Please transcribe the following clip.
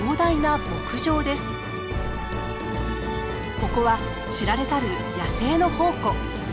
ここは知られざる野生の宝庫。